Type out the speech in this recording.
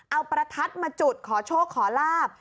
เอาประทัดมาจุดขอโชคขอลาบ